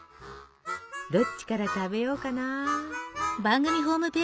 どっちから食べようかな。